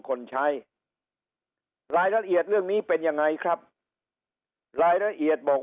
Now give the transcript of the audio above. คนใช้รายละเอียดเรื่องนี้เป็นยังไงครับรายละเอียดบอก